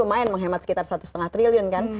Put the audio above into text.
lumayan menghemat sekitar satu lima triliun kan